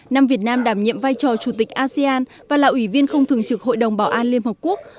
năm việt nam đảm nhiệm vai trò chủ tịch asean và là ủy viên không thường trực hội đồng bảo an liên hợp quốc